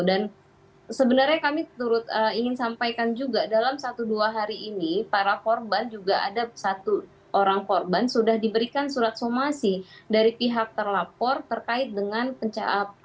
dan sebenarnya kami ingin sampaikan juga dalam satu dua hari ini para korban juga ada satu orang korban sudah diberikan surat somasi dari pihak terlapor terkait dengan pencapaian